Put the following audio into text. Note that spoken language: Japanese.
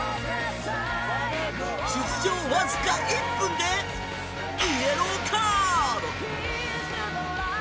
出場僅か１分でイエローカード。